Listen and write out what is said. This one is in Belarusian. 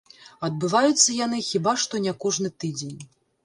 Адбываюцца яны хіба што не кожны тыдзень.